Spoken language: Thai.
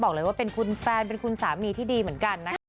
บอกเลยว่าเป็นคุณแฟนเป็นคุณสามีที่ดีเหมือนกันนะคะ